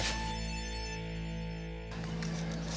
semakin lo gak siap